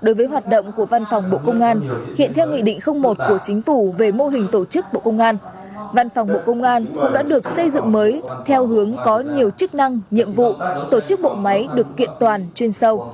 đối với hoạt động của văn phòng bộ công an hiện theo nghị định một của chính phủ về mô hình tổ chức bộ công an văn phòng bộ công an cũng đã được xây dựng mới theo hướng có nhiều chức năng nhiệm vụ tổ chức bộ máy được kiện toàn chuyên sâu